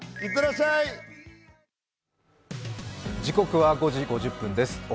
時刻は５時５０分です。